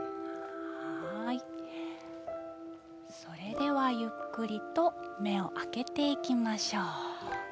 それでは、ゆっくりと目を開けていきましょう。